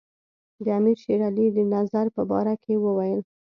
د امیر شېر علي د نظر په باره کې وویل.